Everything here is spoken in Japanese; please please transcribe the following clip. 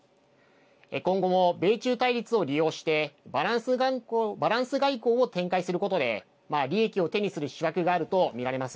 今後も米中対立を利用してバランス外交を展開することで利益を手にする思惑があると見られます。